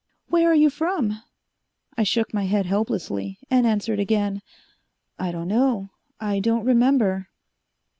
"Where are you from?" I shook my head helplessly, and answered again, "I don't know I don't remember."